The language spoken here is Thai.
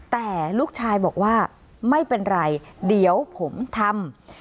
แต่ลูกชายบอกว่าไม่เป็นไรเดี๋ยวผมทำ